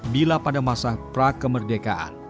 bila pada masa prakemerdekaan